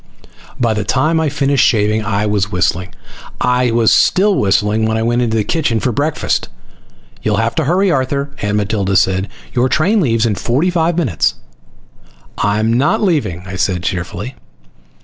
By the time I finished shaving I was whistling. I was still whistling when I went into the kitchen for breakfast. "You'll have to hurry, Arthur," Aunt Matilda said. "Your train leaves in forty five minutes." "I'm not leaving," I said cheerfully.